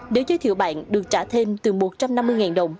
nếu giới thiệu bạn được trả thêm từ một trăm năm mươi đồng